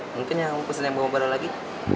mungkin yang aku pesen yang bawa baru lagi